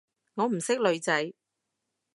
我唔識女仔